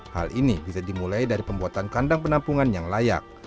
hal ini bisa dimulai dari pembuatan kandang penampungan yang layak